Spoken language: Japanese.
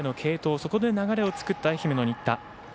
そこで流れを作った新田。